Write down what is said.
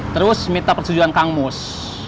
terus minta persetujuan kang mus